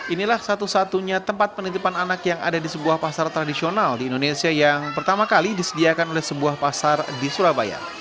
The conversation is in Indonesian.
inilah satu satunya tempat penitipan anak yang ada di sebuah pasar tradisional di indonesia yang pertama kali disediakan oleh sebuah pasar di surabaya